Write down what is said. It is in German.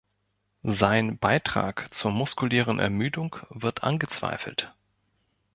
Sein Beitrag zur muskulären Ermüdung wird angezweifelt.